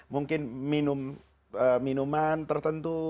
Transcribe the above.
mungkin minum minuman tertentu